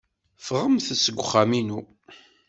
Ffɣemt seg uxxam-inu.